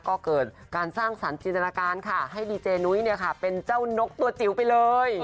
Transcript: ก็เกิดการสร้างสรรค์จินตนาการค่ะให้ดีเจนุ้ยเป็นเจ้านกตัวจิ๋วไปเลย